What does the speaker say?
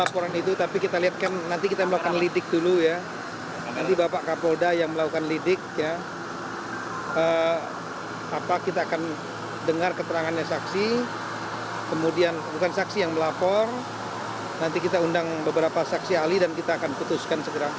polisi akan dengar keterangannya saksi kemudian bukan saksi yang melapor nanti kita undang beberapa saksi ahli dan kita akan putuskan segera